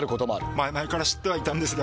前々から知ってはいたんですが。